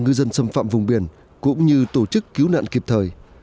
ngư dân xâm phạm vùng biển cũng như tổ chức cứu nạn kịp thời